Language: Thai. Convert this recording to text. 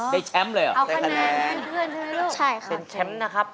ได้แชมป์เลยเหรอได้คะแนนเป็นแชมป์นะครับ